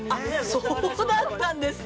そうだったんですね。